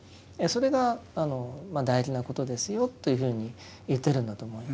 それが大事なことですよというふうに言ってるんだと思います。